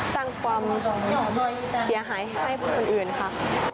สร้างความเสียหายให้ผู้อื่นค่ะ